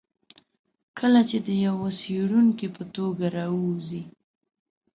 کله چې د یوه څېړونکي په توګه راووځي.